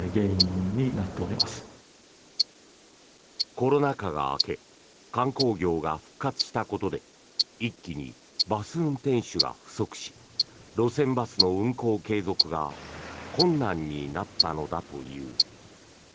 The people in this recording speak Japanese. コロナ禍が明け観光業が復活したことで一気にバス運転手が不足し路線バスの運行継続が困難になったのだという。